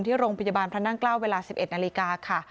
ที่โรงพยาบาลพระนั่งเกล้าเวลา๑๑นาฬิกาค่ะ